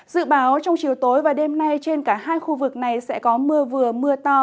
dự báo trong chiều tối và đêm nay trên cả hai khu vực này sẽ có mưa vừa mưa to